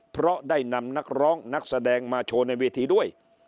เพราะได้นำนักร้องนักแสดงมาโชว์ในเวทีด้วย